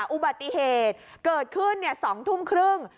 อุบัติเหตุเกิดขึ้น๒ทุ่มครึ่ง